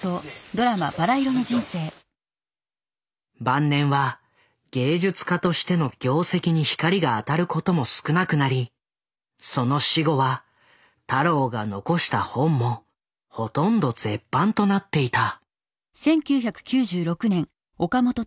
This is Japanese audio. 晩年は芸術家としての業績に光が当たることも少なくなりその死後は太郎が残した本もほとんど絶版となっていた。